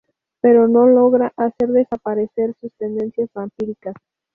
Pero no logra hacer desaparecer sus tendencias vampíricas.